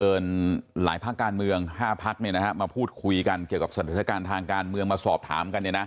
หลายภาคการเมือง๕พักมาพูดคุยกันเกี่ยวกับสถานการณ์ทางการเมืองมาสอบถามกัน